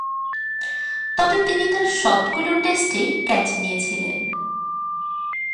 তবে তিনি তার সবগুলো টেস্টেই ক্যাচ নিয়েছিলেন।